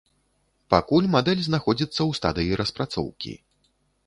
Пакуль мадэль знаходзіцца ў стадыі распрацоўкі.